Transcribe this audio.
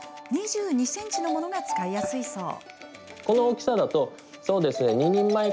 ２２ｃｍのものが使いやすいそう。